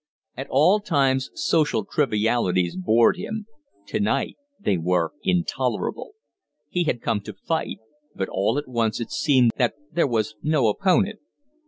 At all times social trivialities bored him; to night they were intolerable. He had come to fight, but all at once it seemed that there was no opponent.